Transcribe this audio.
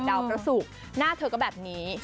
ดาวพระศุกร์หน้าเธอก็แบบนี้